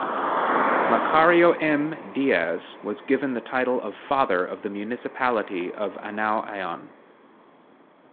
Macario M, Diaz was given the title of Father of the Municipality of Anao-aon.